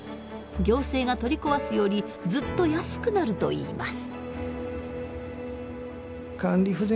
行政が取り壊すよりずっと安くなるといいます。